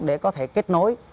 để có thể kết nối